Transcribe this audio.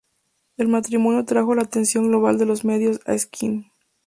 El matrimonio trajo la atención global de los medios a Sikkim.